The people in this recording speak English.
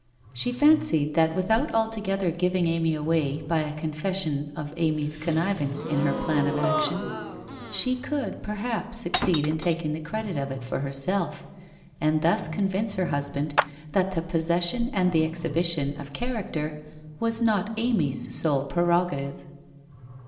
She fancied that without altogether giving Amy away by a confession of Amy's connivance in her plan of action, she could perhaps succeed in taking the credit of it for herself and thus convince her husband that the possession and the exhibition of character was not Amy's sole pre rogative.